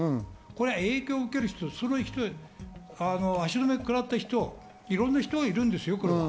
影響を受ける人、足止めをくらった人、いろんな人がいるんですよ。